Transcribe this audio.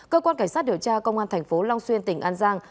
cơ quan cảnh sát điều tra công an tp long xuyên tỉnh an giang